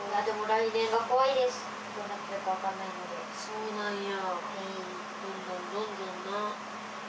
そうなんや。